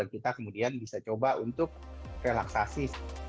kita kemudian bisa coba untuk relaksasi